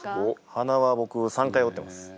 鼻は僕３回折ってます。